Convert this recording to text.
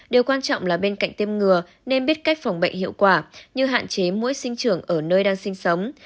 điều quan trọng là bên cạnh tiêm ngừa nên biết cách phòng bệnh hiệu quả như hạn chế mũi sinh trưởng ở nơi đang sinh sống